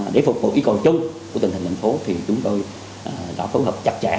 để phục vụ yêu cầu chung của tình hình thành phố thì chúng tôi đã phối hợp chặt chẽ